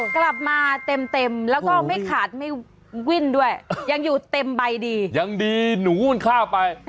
กลับมาเต็มแล้วก็ไม่ขาดไม่วิ่นด้วยยังอยู่เต็มใบดียังดีหนูมันฆ่าไป